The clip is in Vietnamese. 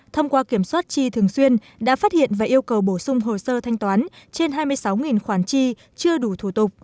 thông qua kiểm soát chi thường xuyên đã phát hiện và yêu cầu bổ sung hồ sơ thanh toán trên hai mươi sáu khoản chi chưa đủ thủ tục